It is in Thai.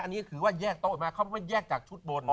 อันนี้คือว่าแยกโต๊ะมาจากชุดบน